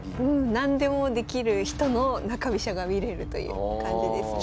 何でもできる人の中飛車が見れるという感じですね。